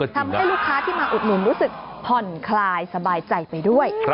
ทำให้ลูกค้าที่มาอุดหนุนรู้สึกผ่อนคลายสบายใจไปด้วย